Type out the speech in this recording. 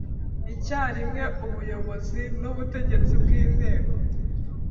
Icyarimwe ubuyobozi n ubutegetsi bw inteko